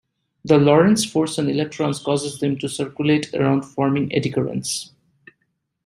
The Lorentz force on electrons causes them to circulate around forming eddy currents.